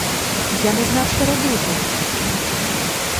Я не знав, що робити?